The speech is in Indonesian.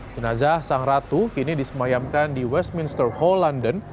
jenazah sang ratu kini disemayamkan di westminster hall london